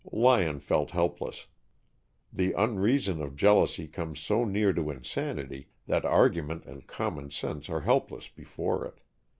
Lyon felt helpless. The unreason of jealousy comes so near to insanity that argument and common sense are helpless before it.